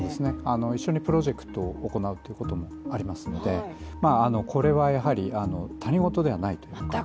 一緒にプロジェクトを行うということもありますので、これはやはり他人事ではないと。